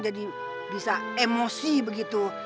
jadi bisa emosi begitu